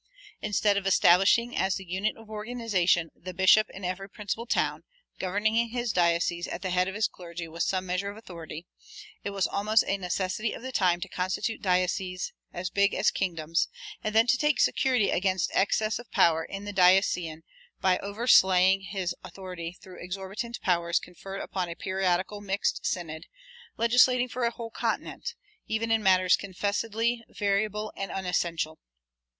Instead of establishing as the unit of organization the bishop in every principal town, governing his diocese at the head of his clergy with some measure of authority, it was almost a necessity of the time to constitute dioceses as big as kingdoms, and then to take security against excess of power in the diocesan by overslaughing his authority through exorbitant powers conferred upon a periodical mixed synod, legislating for a whole continent, even in matters confessedly variable and unessential.